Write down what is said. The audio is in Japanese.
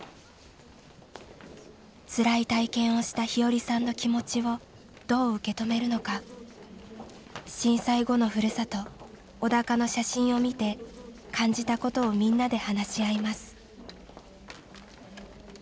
つらい体験をした日和さんの気持ちをどう受け止めるのか震災後のふるさと小高の写真を見て感じたことをみんなで話し合います。